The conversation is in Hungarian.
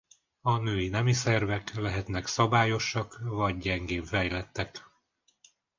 A női nemi szervek lehetnek szabályosak vagy gyengén fejlettek.